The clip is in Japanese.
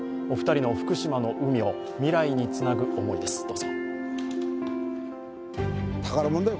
お二人の福島の海を未来につなぐ思いです。